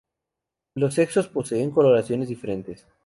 Los sexos poseen coloraciones diferentes.